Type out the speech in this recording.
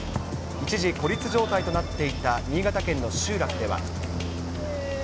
一時孤立状態となっていた新潟県の集落では。